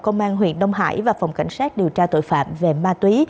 công an huyện đông hải và phòng cảnh sát điều tra tội phạm về ma túy